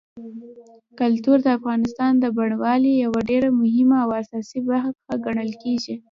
کلتور د افغانستان د بڼوالۍ یوه ډېره مهمه او اساسي برخه ګڼل کېږي.